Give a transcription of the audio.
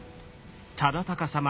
忠敬様